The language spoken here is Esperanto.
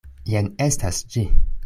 Jen estas ĝi!